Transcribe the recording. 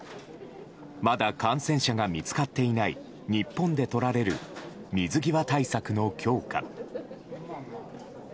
まだ感染者が見つかっていない日本でとられる水際対策の強化。